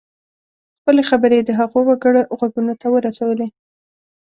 خپلې خبرې یې د هغو وګړو غوږونو ته ورسولې.